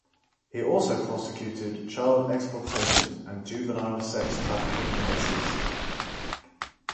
He also prosecuted child exploitation and juvenile sex trafficking cases.